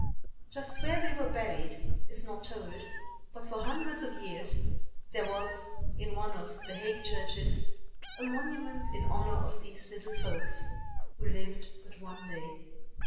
Just where they were buried is not told, but, for hundreds of years, there was, in one of The Hague churches, a monument in honor of these little folks, who lived but a day.